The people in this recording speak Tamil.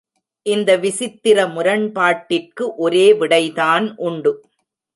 இந்த விசித்திர முரண்பாட்டிற்கு ஒரே விடை தான் உண்டு.